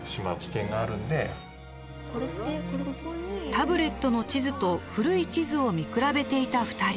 タブレットの地図と古い地図を見比べていた２人。